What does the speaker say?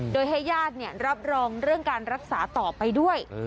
โดยให้ญาติรับรองเรื่องการรักษาต่อไปด้วย